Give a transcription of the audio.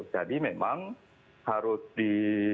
jadi memang harus di